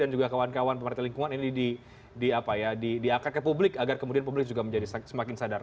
mas awong pak walhi dan juga kawan kawan pemerintah lingkungan ini diakar ke publik agar kemudian publik juga menjadi semakin sadar